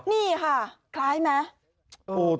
นี่ค่ะคล้ายไหม